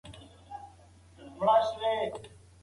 ښوونه د راتلونکې بنسټ دی.